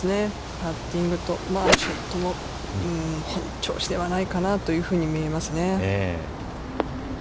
パッティングとショットも、本調子ではないかなというふうに見えますね。